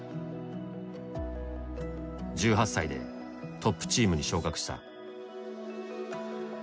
１８歳でトップチームに昇格した。